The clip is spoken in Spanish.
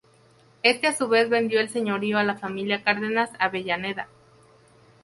Este a su vez vendió el señorío a la familia Cárdenas-Avellaneda.